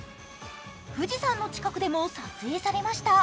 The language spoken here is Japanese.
富士山の近くでも撮影されました。